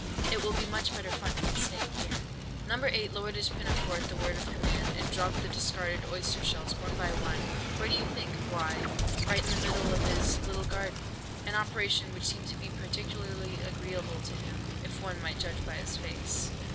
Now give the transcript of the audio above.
It will be much better fun than staying here." No. 8 lowered his pinafore at the word of command, and dropped the discarded oyster shells, one by one—where do you think?—why—right into the middle of his little garden! an operation which seemed to be particularly agreeable to him, if one might judge by his face.